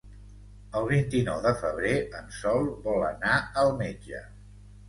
El vint-i-nou de febrer en Sol vol anar al metge.